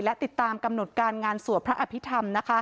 และติดตามกำหนดการงานสวดพระอภิษฐรรม